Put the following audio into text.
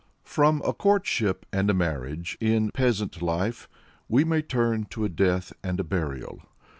From a courtship and a marriage in peasant life we may turn to a death and a burial.